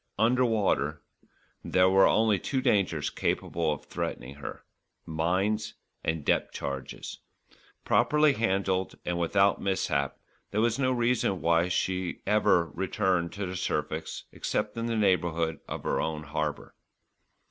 Under water there were only two dangers capable of threatening her mines and depth charges. Properly handled and without mishap, there was no reason why she should ever return to the surface except in the neighbourhood of her own harbour.